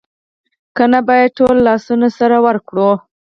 که نه باید ټول لاسونه سره ورکړو